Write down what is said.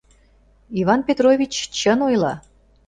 — Иван Петрович чын ойла.